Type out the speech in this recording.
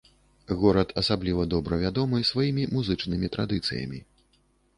Горад асабліва добра вядомы сваімі музычнымі традыцыямі.